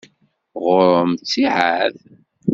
Ɣur-m ttiεad?